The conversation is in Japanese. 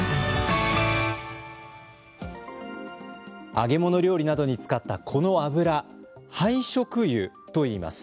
揚げ物料理などに使ったこの油、廃食油といいます。